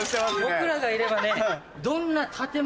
僕らがいればね。